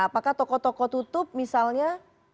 apakah toko toko tutup misalnya